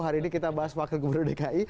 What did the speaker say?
hari ini kita bahas wakil gubernur dki